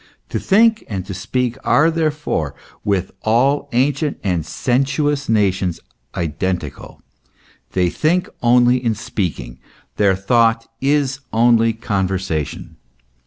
To think and to speak are therefore with all ancient and sensuous nations, identical ; they think only in speaking ; their thought is only conversation.